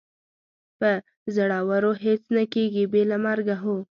په زړورو هېڅ نه کېږي، بې له مرګه، هو.